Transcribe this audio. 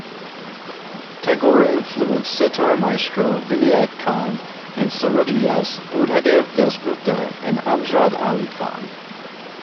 Tagore influenced "sitar" maestro Vilayat Khan and "sarodiyas" Buddhadev Dasgupta and Amjad Ali Khan.